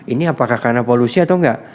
ini apakah karena polusi atau enggak